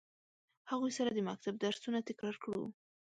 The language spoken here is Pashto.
هغوی سره د مکتب درسونه تکرار کړو.